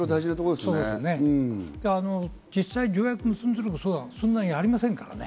で実際、条約を結んでるところもそんなにありませんからね。